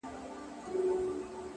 لمن دي نيسه چي په اوښكو يې در ډكه كړمه”